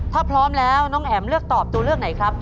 ถ้าพร้อมแล้วน้องแอ๋มเลือกตอบตัวเลือกไหนครับ